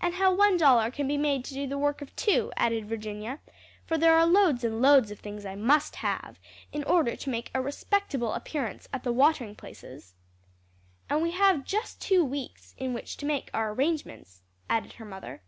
"And how one dollar can be made to do the work of two," added Virginia; "for there are loads and loads of things I must have in order to make a respectable appearance at the watering places." "And we have just two weeks in which to make our arrangements," added her mother.